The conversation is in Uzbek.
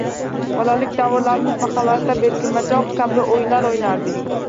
Bolalik davrlarimiz mahallada berkinmachoq kabi oʻyinlar oʻynardik.